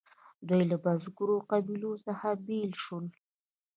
دوی له بزګرو قبیلو څخه بیل شول.